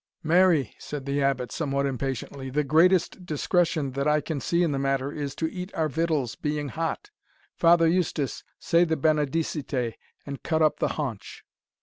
"Marry!" said the Abbot, somewhat impatiently, "the greatest discretion that I can see in the matter is, to eat our victuals being hot Father Eustace, say the Benedicite, and cut up the haunch."